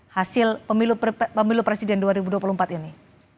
hasil pemilu presiden dua ribu dua puluh empat ini